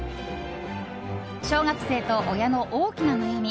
小学生と親の大きな悩み